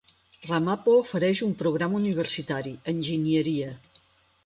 Ramapo ofereix un programa universitari: enginyeria.